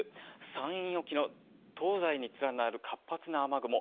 山陰沖の東西に連なる活発な雨雲。